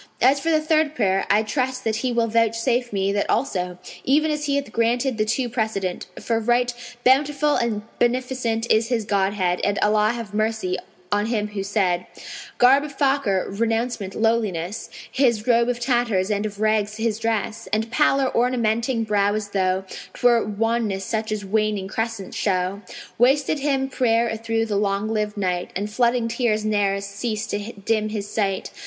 As for the third prayer, I trust that He will vouchsafe me that also, even as He hath granted the two precedent, for right Bountiful and Beneficent is His Godhead, and Allah have mercy on him who said:[FN#506] Garb of Fakir, renouncement, lowliness; His robe of tatters and of rags his dress; And pallor ornamenting brow as though 'Twere wanness such as waning crescents show. Wasted him prayer a through the long lived night, And flooding tears ne'er cease to dim his sight.